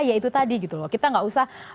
ya itu tadi gitu loh kita nggak usah